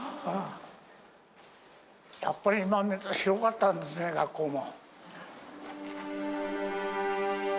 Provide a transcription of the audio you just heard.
やっぱり今見ると、広かったんですね、学校も。